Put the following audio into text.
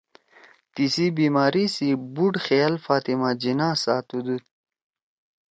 تیِسی بیمأری سی بُوڑ خیال فاطمہ جناح ساتُودُود